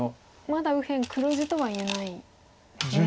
まだ右辺黒地とは言えないんですね。